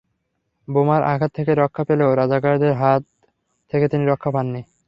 বোমার আঘাত থেকে রক্ষা পেলেও রাজাকারদের হাত থেকে তিনি রক্ষা পাননি।